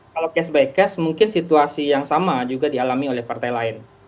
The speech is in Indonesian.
kalau case by case mungkin situasi yang sama juga dialami oleh partai lain